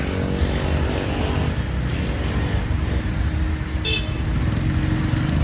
ก็เป็นคำตอบภาพสั้นสั้นนะครับคุณพี่สุด